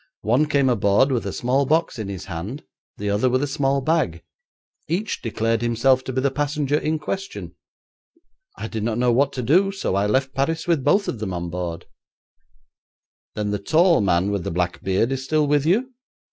One came aboard with a small box in his hand; the other with a small bag. Each declared himself to be the passenger in question. I did not know what to do, so I left Paris with both of them on board.' 'Then the tall man with the black beard is still with you?'